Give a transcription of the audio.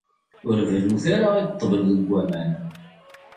Ur berrut ara i ṭṭbel deg waman.